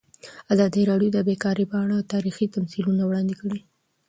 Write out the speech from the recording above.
ازادي راډیو د بیکاري په اړه تاریخي تمثیلونه وړاندې کړي.